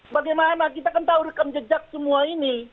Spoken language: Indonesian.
bagaimana kita kan tahu rekam jejak semua ini